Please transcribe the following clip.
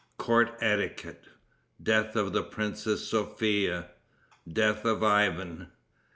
Court Etiquette. Death of the Princess Sophia. Death of Ivan.